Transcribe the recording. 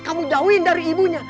kamu jauhin dari ibunya